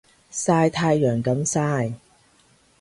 曬太陽咁曬